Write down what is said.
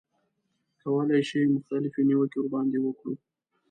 کولای شو مختلفې نیوکې ورباندې وکړو.